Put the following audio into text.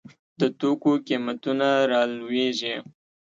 د توکو قیمتونه رالویږي.